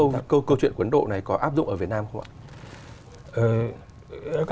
thưa ông câu chuyện của ấn độ này có áp dụng ở việt nam không ạ